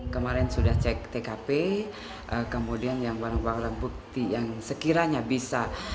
kemarin sudah cek tkp kemudian yang barang barang bukti yang sekiranya bisa